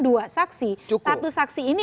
dua saksi satu saksi ini